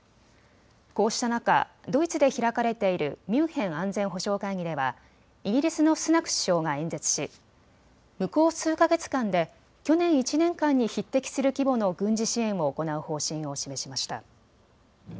こうした中、ドイツで開かれているミュンヘン安全保障会議ではイギリスのスナク首相が演説し向こう数か月間で去年１年間に匹敵する規模の軍事支援を行う方針を示しました。